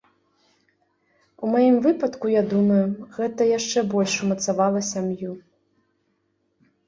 У маім выпадку, я думаю, гэта яшчэ больш умацавала сям'ю.